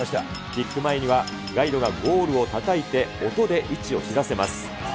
キック前にはガイドがゴールをたたいて音で位置を知らせます。